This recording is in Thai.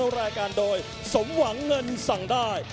รายการโดยสมหวังเงินสั่งได้